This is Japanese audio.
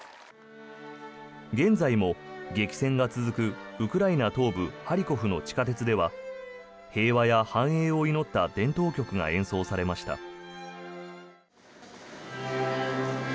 現在も激戦が続くウクライナ東部ハリコフの地下鉄では平和や繁栄を祈った伝統曲が演奏されました。